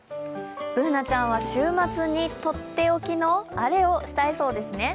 Ｂｏｏｎａちゃんは週末にとっておきのあれをしたいそうですね。